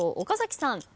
岡崎さん。